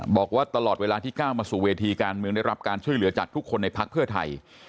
บอกว่าตลอดเวลาที่ก้าวมาสู่เวทีการเมืองได้รับการช่วยเหลือจากทุกคนในพักเพื่อไทย